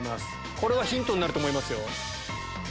これはヒントになると思います。